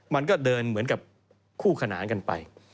มันก็เดินเหมือนกับคู่ขนานกันไป